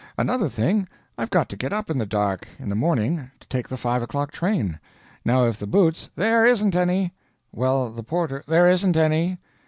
Another thing: I've got to get up in the dark, in the morning, to take the 5 o'clock train. Now if the boots " "There isn't any." "Well, the porter." "There isn't any."